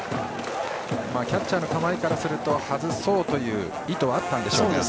キャッチャーの構えからすると外そうという意図はあったんでしょうが。